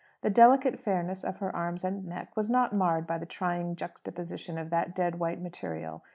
The delicate fairness of her arms and neck was not marred by the trying juxtaposition of that dead white material.